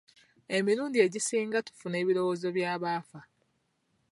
Emirundi egisinga tufuna ebirowoozo by'abaafa.